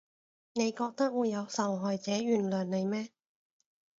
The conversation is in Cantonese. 你覺得會有受害者原諒你咩？